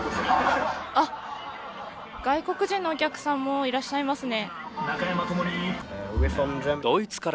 外国人のお客さんもいらっしゃいますね。